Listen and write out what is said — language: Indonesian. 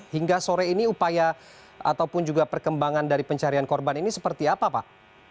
hingga sore ini upaya ataupun juga perkembangan dari pencarian korban ini seperti apa pak